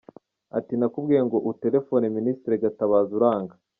Ati nakubwiye ngo utelefone Ministre Gatabazi uranga.